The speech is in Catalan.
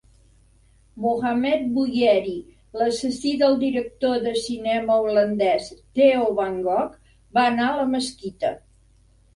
Mohammed Bouyeri, l'assassí del director de cinema holandès Theo van Gogh, va anar a la mesquita.